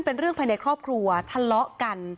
เป็นเรื่องภายในครอบครัวทะเลาะกัน